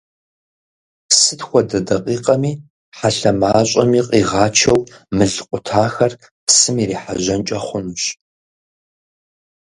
Сыт хуэдэ дакъикъэми хьэлъэ мащӀэми къигъачэу мыл къутахэр псым ирихьэжьэнкӀэ хъунущ.